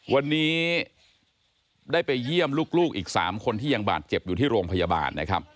วันนี้ได้ไปเยี่ยมลูกอีก๓คนที่ยังบาดเจ็บอยู่ที่โรงพยาบาลนะครับ